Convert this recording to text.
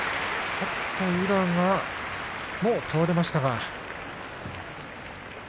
ちょっと宇良が倒れましたが。